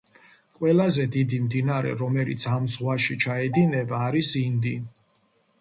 ყველაზე დიდი მდინარე, რომელიც ამ ზღვაში ჩაედინება, არის ინდი.